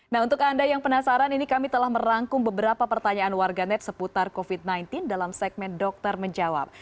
nah untuk anda yang penasaran ini kami telah merangkum beberapa pertanyaan warganet seputar covid sembilan belas dalam segmen dokter menjawab